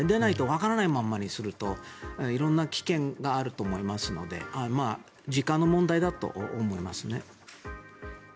わからないままにすると色んな危険があると思いますので時間の問題だと思いますね。